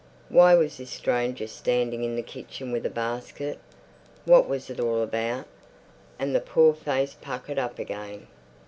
Why was this stranger standing in the kitchen with a basket? What was it all about? And the poor face puckered up again.